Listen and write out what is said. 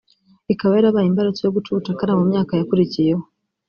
ikaba yarabaye imbarutso yo guca ubucakara mu myaka yakurikiyeho